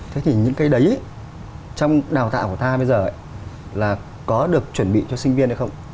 thế thì những cái đấy trong đào tạo của ta bây giờ là có được chuẩn bị cho sinh viên hay không